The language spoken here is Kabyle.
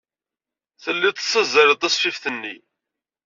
Telliḍ tessazzaleḍ tasfift-nni.